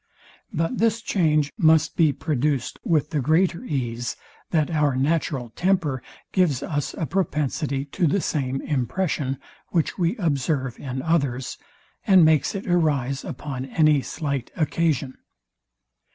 But this change must be produced with the greater ease, that our natural temper gives us a propensity to the same impression, which we observe in others, and makes it arise upon any slight occasion.